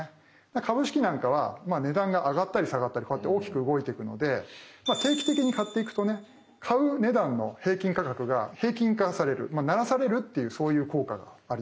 株式なんかは値段が上がったり下がったりこうやって大きく動いていくので定期的に買っていくとね買う値段の平均価格が平均化されるならされるっていうそういう効果があります。